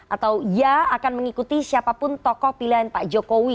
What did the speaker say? atau ia akan mengikuti siapapun tokoh pilihan pak jokowi